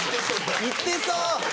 言ってそう。